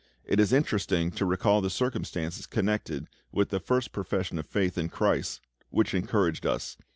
It is interesting to recall the circumstances connected with the first profession of faith in Christ, which encouraged us.